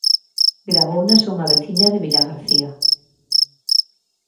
Gravounas unha veciña de Vilagarcía...